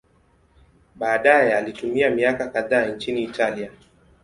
Baadaye alitumia miaka kadhaa nchini Italia.